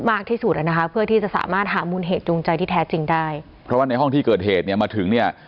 อ่าอาจจะใช่